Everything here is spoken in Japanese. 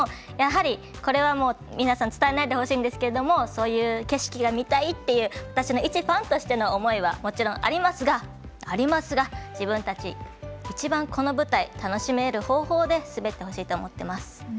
やはり、これは皆さん伝えないでほしいんですけどそういう景色が見たいっていう私の、いちファンとしての思いはもちろんありますが自分たち一番この舞台楽しめる方法で滑ってほしいと思います。